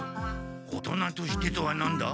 「大人として」とは何だ！？